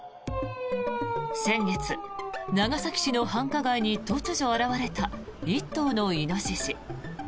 先月、長崎市の繁華街に突如現れた１頭のイノシシ。